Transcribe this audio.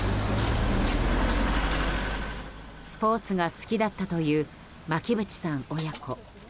スポーツが好きだったという巻渕さん親子。